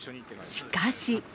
しかし。